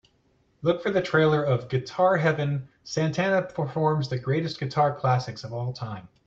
Look for the trailer of Guitar Heaven: Santana Performs the Greatest Guitar Classics of All Time